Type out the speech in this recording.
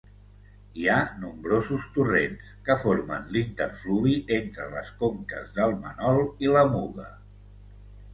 Hi ha nombrosos torrents, que formen l'interfluvi entre les conques del Manol i la Muga.